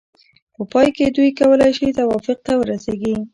په پای کې دوی کولای شي توافق ته ورسیږي.